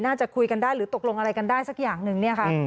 น่าจะคุยกันได้หรือตกลงอะไรกันได้สักอย่างหนึ่งเนี่ยค่ะ